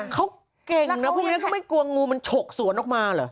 เขาเก่งนะพวกนี้ก็ไม่กลัวงูมันฉกสวนออกมาเหรอ